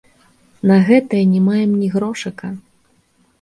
На гэта не маем ні грошыка.